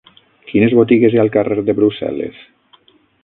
Quines botigues hi ha al carrer de Brussel·les?